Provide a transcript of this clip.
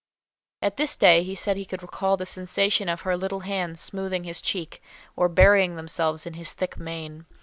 At this day he said he could recall the sensation of her little hands smoothing his cheek, or burying themselves in his thick mane.